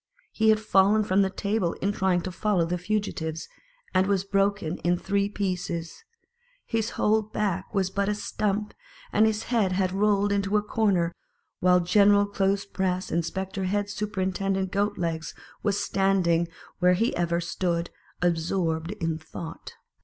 He had fallen from the table in trying to follow the fugi tives, and was broken in three pieces ; his whole back was but a stump, and his head had rolled into a corner, while General clothes press inspector head superintendent Goat legs was standing where he had ever stood, absorbed in thought.